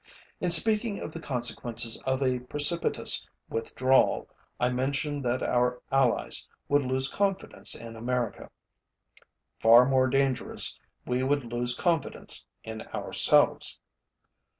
In speaking of the consequences of a precipitous withdrawal, I mentioned that our allies would lose confidence in America. Far more dangerous, we would lose confidence in ourselves.